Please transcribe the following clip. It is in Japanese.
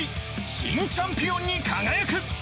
新チャンピオンに輝く。